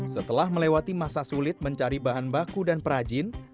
setelah melewati masa sulit mencari bahan baku dan perajin